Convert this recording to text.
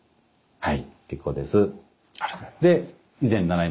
はい。